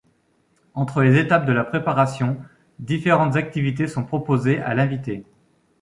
Entre les étapes de la préparation, différentes activités sont proposées à l'invité.